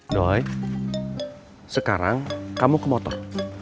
doy sekarang kamu ke motor